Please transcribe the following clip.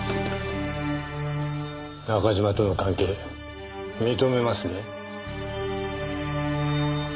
中嶋との関係認めますね？